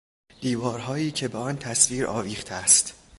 دیوارهایی که به آن تصویر آویخته است